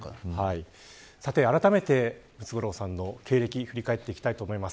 あらためてムツゴロウさんの経歴を振り返っていきたいと思います。